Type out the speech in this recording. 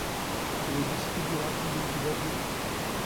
Ele disse que virá quando ele quiser vir.